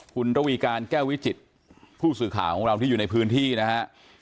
คุณระวีการแก้ววิจิตผู้สื่อข่าวของเราที่อยู่ในพื้นที่นะฮะ